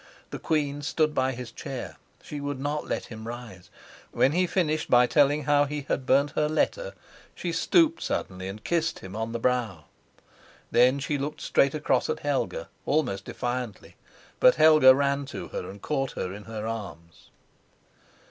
The queen stood by his chair she would not let him rise; when he finished by telling how he had burnt her letter, she stooped suddenly and kissed him off the brow. Then she looked straight across at Helga, almost defiantly; but Helga ran to her and caught her in her arms.